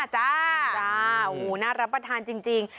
น่ารับประทานจริง